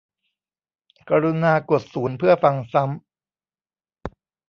กรุณากดศูนย์เพื่อฟังซ้ำ